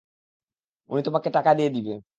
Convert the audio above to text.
উনি তোমাকে টাকা দিয়ে দিবে।